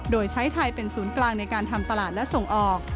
โดยใช้ไทยเป็นศูนย์กลางในการทำตลาดและส่งออก